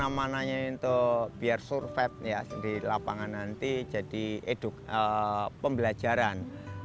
itu kan untuk supaya surfeit di lapangan nanti jadi eduk pembelajaran